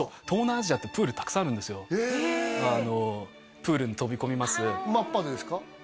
東南アジアはプールたくさんあるんですへえプールに飛び込みます真っぱでですか？